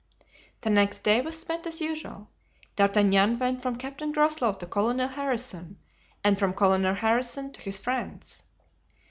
The next day was spent as usual. D'Artagnan went from Captain Groslow to Colonel Harrison and from Colonel Harrison to his friends.